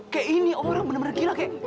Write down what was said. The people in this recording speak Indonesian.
keh ini orang bener bener gila kek